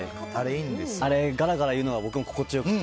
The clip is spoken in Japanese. あれ、ガラガラいうのが僕も心地よくて。